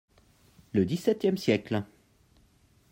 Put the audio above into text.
Le dix-septième siècle.